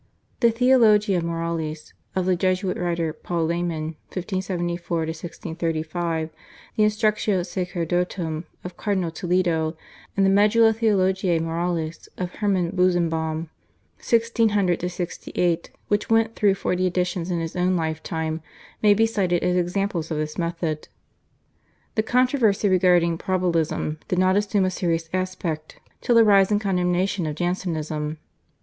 The /Theologia Moralis/ of the Jesuit writer, Paul Laymann (1574 1635), the /Instructio Sacerdotum/ of Cardinal Toledo and the /Medulla Theologiae Moralis/ of Hermann Busenbaum (1600 68), which went through forty editions in his own lifetime, may be cited as examples of this method. The controversy regarding Probabilism did not assume a serious aspect till the rise and condemnation of Jansenism.